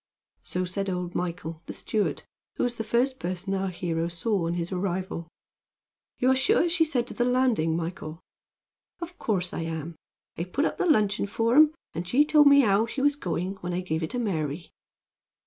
So said old Michael, the steward, who was the first person our hero saw on his arrival. "You are sure she said to the landing, Michael?" "Of course I am. I put up the luncheon for 'em; and she told me how she was going when I gave it to Mary."